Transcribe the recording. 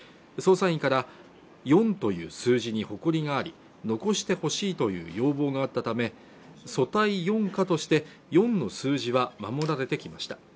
捜査員から「四」という数字に誇りがあり残してほしいという要望があったため組対四課として四の数字は守られてきました